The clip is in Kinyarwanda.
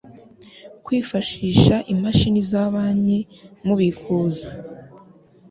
Kwifashisha imashini za banki mu kubikuza